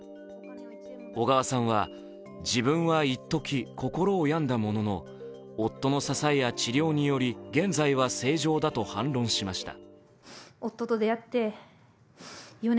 小川さんは自分は一時心を病んだものの夫の支えや治療により現状は正常だと反論しました。